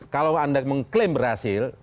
kalau anda mengklaim berhasil